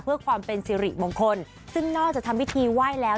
เพื่อความเป็นสิริมงคลซึ่งนอกจากทำพิธีไหว้แล้ว